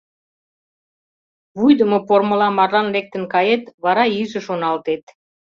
Вуйдымо пормыла марлан лектын кает, вара иже шоналтет...